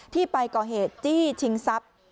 ที่ไปก่อเหตุจี้ชิงทรัพย์